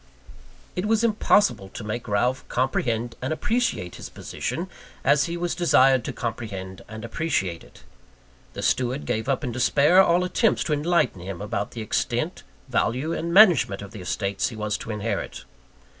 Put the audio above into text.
It was impossible to make Ralph comprehend and appreciate his position, as he was desired to comprehend and appreciate it. The steward gave up in despair all attempts to enlighten him about the extent, value, and management of the estates he was to inherit.